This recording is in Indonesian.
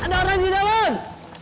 ada orang di dalam